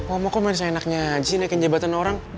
oma kok manis enaknya aja sih naikin jabatan orang